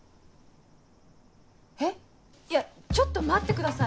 えっいやちょっと待ってください。